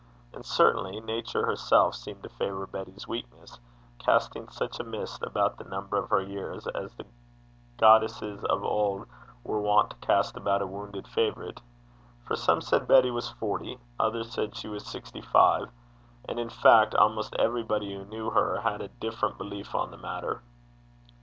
And, certainly, nature herself seemed to favour Betty's weakness, casting such a mist about the number of her years as the goddesses of old were wont to cast about a wounded favourite; for some said Betty was forty, others said she was sixty five, and, in fact, almost everybody who knew her had a different belief on the matter.